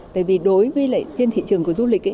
tại vì đối với lại trên thị trường của du lịch ấy